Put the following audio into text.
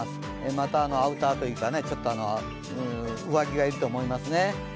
またアウターというか、上着が要ると思いますね。